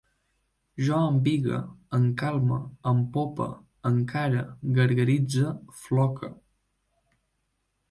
Jo embigue, encalme, empope, encare, gargaritze, floque